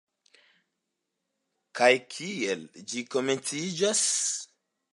Kaj kiel ĝi komenciĝas?